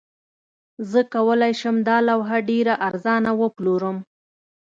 زه کولی شم دا لوحه ډیره ارزانه وپلورم